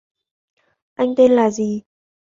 Anh tên là gì